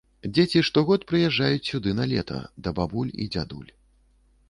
Дзеці штогод прыязджаюць сюды на лета да бабуль і дзядуль.